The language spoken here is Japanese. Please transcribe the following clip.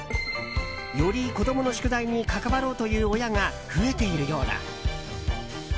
より子供の宿題に関わろうという親が増えているようだ。